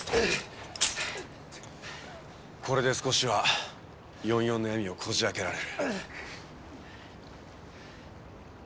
これで少しは４４の闇をこじ開けられる。